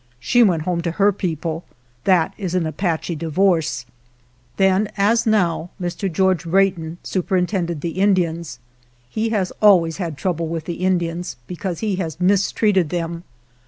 She went home to her people — that is an Apache divorce. Then, 1 as now, Mr. George Wratton su perintended the Indians. He has always had trouble with the Indians, because he has mistreated them.